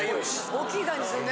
大きい感じすんね。